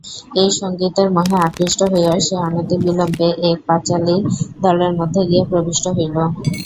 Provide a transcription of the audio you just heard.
এই সংগীতের মোহে আকৃষ্ট হইয়া সে অনতিবিলম্বে এক পাঁচালির দলের মধ্যে গিয়া প্রবিষ্ট হইল।